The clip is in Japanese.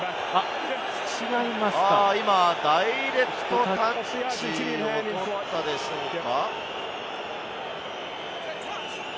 ダイレクトタッチだったでしょうか？